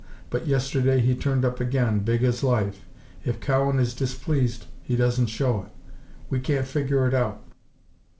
But yesterday he turned up again, big as life. If Cowan is displeased, he doesn't show it. We can't figure it out."